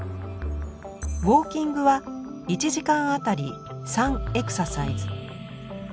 ウォーキングは１時間あたり３エクササイズ。